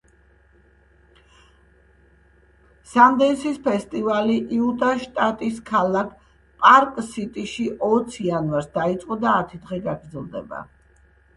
სანდენსის ფესტივალი იუტას შტატის ქალაქ პარკ სიტიში ოც იანვარს დაიწყო და ათი დღე გაგრძელდება.